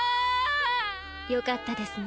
よかったですね